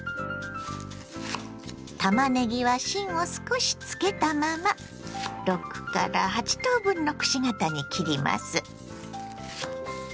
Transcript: たまねぎは芯を少しつけたまま６８等分のくし形に切ります。